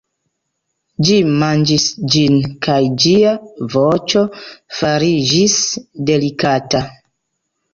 Ĝi manĝis ĝin kaj ĝia voĉo fariĝis delikata.